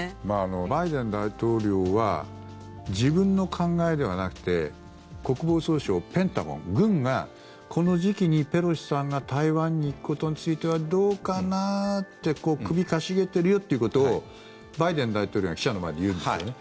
バイデン大統領は自分の考えではなくて国防総省、ペンタゴン、軍がこの時期にペロシさんが台湾に行くことについてはどうかな？って首をかしげているよということをバイデン大統領が記者の前で言うんですよね。